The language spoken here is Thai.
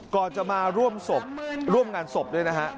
ก่อนจะมาร่วมงานศพด้วยนะฮะ